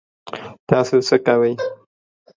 تاسو څه کوئ؟